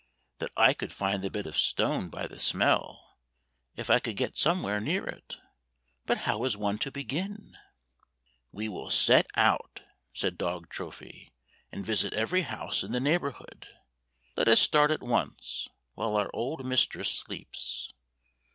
FAVORITE FAIRY TALES RETOLD could find the bit of a stone by the smell, if I could get somewhere near it. But how is one to begin? " "We will set out," said dog Trophy, " and visit every house in the neighborhood. Let us start at once, while our old mistress sleeps."